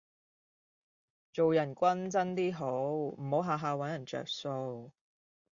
做人均真 D 好，唔好吓吓搵人着數